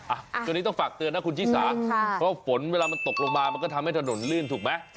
อันนี้ต้องฝากเตือนนะคุณชิสาเพราะฝนเวลามันตกลงมามันก็ทำให้ถนนลื่นถูกไหม